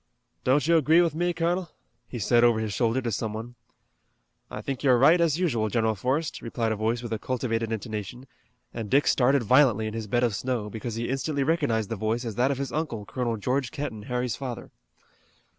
"Don't you agree with me, colonel?" he said over his shoulder to some one. "I think you're right as usual, General Forrest," replied a voice with a cultivated intonation, and Dick started violently in his bed of snow, because he instantly recognized the voice as that of his uncle, Colonel George Kenton, Harry's father.